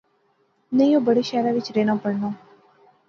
نئیں او بڑے شہرے وچ رہنا پڑھنا